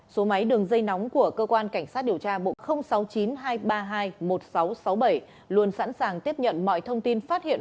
số máy đường dây nóng của cơ quan cảnh sát điều tra bộ sáu mươi chín hai trăm ba mươi hai một nghìn sáu trăm sáu mươi bảy luôn sẵn sàng tiếp nhận mọi thông tin phát hiện